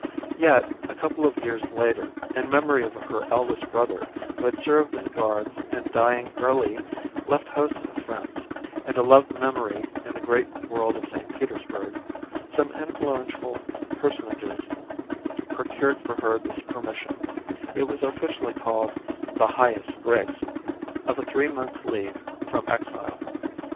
Yet a couple of years later, in memory of her eldest brother who had served in the Guards and dying early left hosts of friends and a loved memory in the great world of St. Petersburg, some influential personages procured for her this permission it was officially called the "Highest Grace" of a three months' leave from exile.